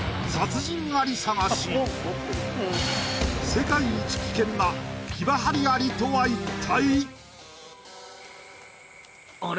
世界一危険なキバハリアリとは一体？